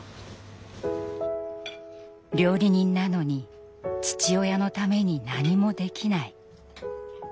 料理人なのに父親のために何もできない。